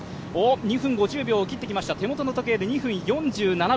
２分５０秒を切ってきました、手元の時計で２分４７秒